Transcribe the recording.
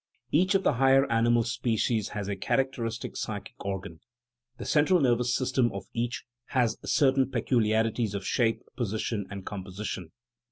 Each of the higher animal species has a character istic psychic organ; the central nervous system of each has certain peculiarities of shape, position, and composition.